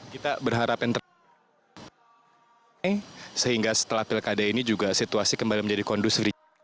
kita berharap yang terakhir sehingga setelah pilkada ini juga situasi kembali menjadi kondusif